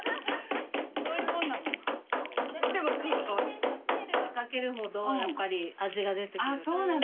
手かければかけるほどやっぱり味が出てくる。